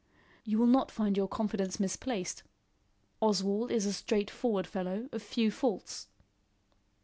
"You will not find your confidence misplaced. Oswald is a straightforward fellow, of few faults."